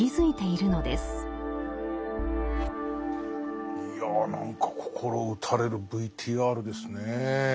いや何か心打たれるＶＴＲですねえ。